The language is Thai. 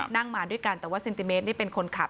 มาด้วยกันแต่ว่าเซนติเมตรนี่เป็นคนขับ